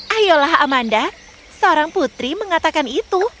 ayolah amanda seorang putri mengatakan itu